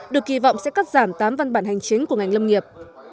được kỳ vọng sẽ cắt giảm tám văn bản hành chính của ngành lâm nghiệp